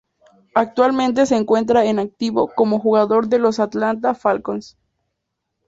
Actualmente se encuentra en activo como jugador de los Atlanta Falcons.